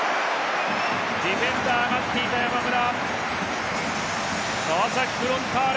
ディフェンダー、待っていた山村。